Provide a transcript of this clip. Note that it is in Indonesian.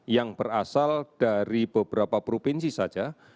yang berasal dari beberapa provinsi saja